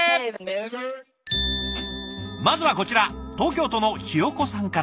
まずはこちら東京都のひよこさんから。